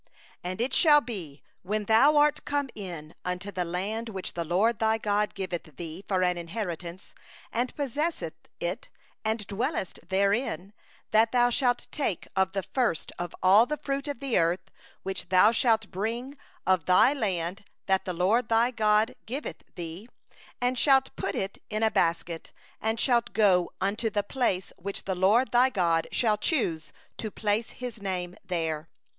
...... And it shall be, when thou art come in unto the land which the LORD thy God giveth thee for an inheritance, and dost possess it, and dwell therein; 2that thou shalt take of the first of all the fruit of the ground, which thou shalt bring in from thy land that the LORD thy God giveth thee; and thou shalt put it in a basket and shalt go unto the place which the LORD thy God shall choose to cause His name to dwell there.